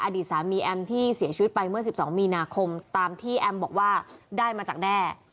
อดีตสามีแอมที่เสียชีวิตไปเมื่อ๑๒มีนาคมตามที่แอมบอกว่าได้มาจากแด้